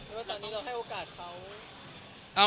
ว่าตอนนี้เราให้โอกาสเขา